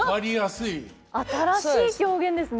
新しい狂言ですね。